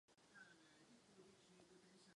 Poté se sem již nikdy nevrátil.